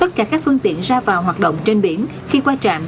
tất cả các phương tiện ra vào hoạt động trên biển khi qua trạm